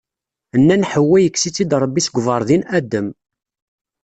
Nnan Ḥewwa yekkes-itt-id Rebbi seg uberḍi n Adem.